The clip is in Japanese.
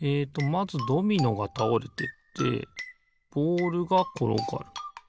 まずドミノがたおれてってボールがころがる。